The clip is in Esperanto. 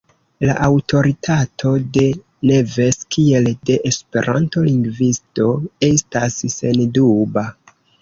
La aŭtoritato de Neves kiel de Esperanto-lingvisto estas senduba.